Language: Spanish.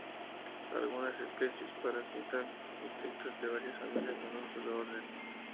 Algunas especies parasitan insectos de varias familias en un solo orden.